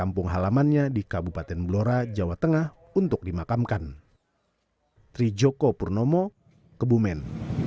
kampung halamannya di kabupaten blora jawa tengah untuk dimakamkan